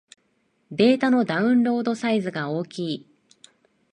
データのダウンロードサイズが大きい